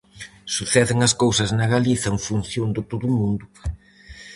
Suceden as cousas na Galiza en función de todo o mundo.